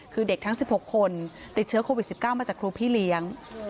คือเด็กทั้ง๑๖คนติดเชื้อโควิด๑๙มาจากครูพี่เลี้ยง